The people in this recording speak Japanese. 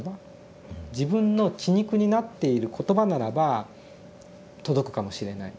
自分の血肉になっている言葉ならば届くかもしれない。